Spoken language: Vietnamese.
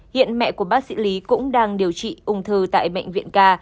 hiện mẹ của bác sĩ lý cũng đang điều trị ung thư tại bệnh viện ca